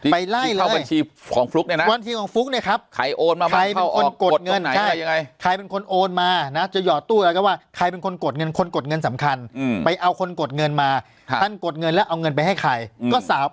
ไปไล่เลยขี้เข้าบัญชีของฟลุกเนี่ยนะ